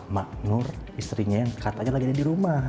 mak nur istrinya yang katanya lagi ada di rumah